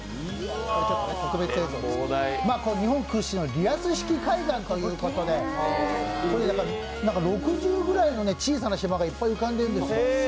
日本屈指のリアス式海岸ということで６０ぐらいの小さな島がいっぱい浮かんでるんです。